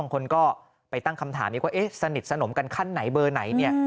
คนก็ไปตั้งคำถามอีกว่าสนิทสนมกันขั้นไหนเบอร์ไหนเนี่ย